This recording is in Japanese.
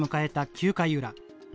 ９回裏。